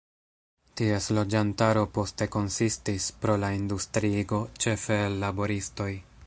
Ties loĝantaro poste konsistis, pro la industriigo, ĉefe el laboristoj.